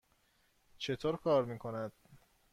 چطور کار می کند؟